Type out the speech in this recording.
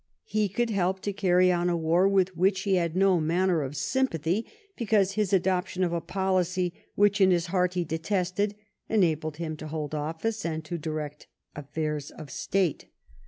He could help to carry on a war with which he had no manner of sympathy because his adoption of a policy which in his heart he detested enabled him to hold oifice and to direct affairs of state.